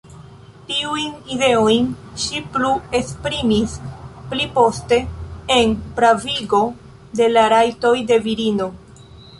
Tiujn ideojn ŝi plu esprimis pliposte en "Pravigo de la Rajtoj de Virino".